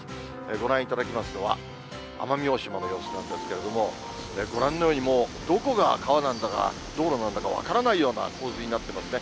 ご覧いただきますのは、奄美大島の様子なんですけれども、ご覧のように、もう、どこが川なんだか、道路なんだか分からないような洪水になってますね。